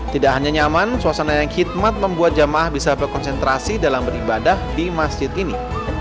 tidak hanya nyaman suasana yang khidmat membuat jamaah bisa berkonsentrasi dalam beribadah di masjid ini